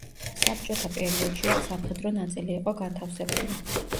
საბჭოთა პერიოდში აქ სამხედრო ნაწილი იყო განთავსებული.